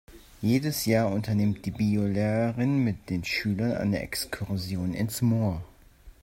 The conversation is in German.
Jedes Jahr unternimmt die Biolehrerin mit den Schülern eine Exkursion ins Moor.